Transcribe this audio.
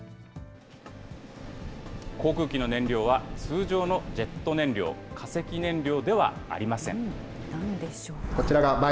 航空機の燃料は、通常のジェット燃料、化石燃料ではありません。